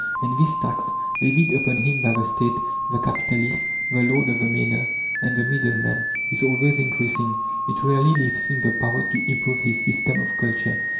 And this tax, levied upon him by the State, the capitalist, the lord of the manor, and the middleman, is always increasing; it rarely leaves him the power to improve his system of culture.